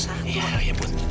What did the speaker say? saya mau ke rumah